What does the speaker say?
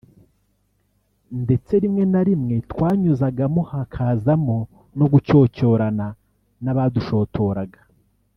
ndetse rimwe na rimwe twanyuzagamo hakazamo no gucyocyorana n’abadushotoraga